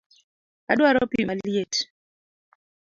Adwaro pii maliet